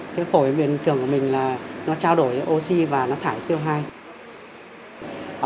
cái phổi bình thường của mình là nó trao đổi oxy và nó thải co hai